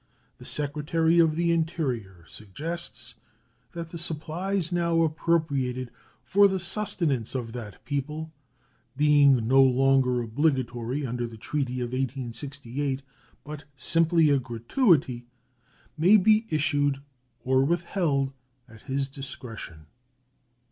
The Secretary of the Interior suggests that the supplies now appropriated for the sustenance of that people, being no longer obligatory under the treaty of 1868, but simply a gratuity, may be issued or withheld at his discretion.